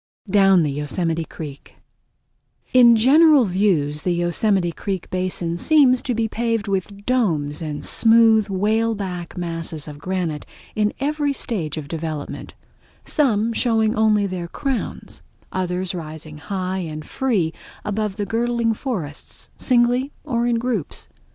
Down The Yosemite Creek In general views the Yosemite Creek basin seems to be paved with domes and smooth, whaleback masses of granite in every stage of development—some showing only their crowns; others rising high and free above the girdling forests, singly or in groups.